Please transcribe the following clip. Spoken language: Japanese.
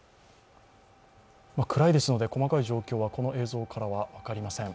暗いですので細かい状況はこの映像からは分かりません。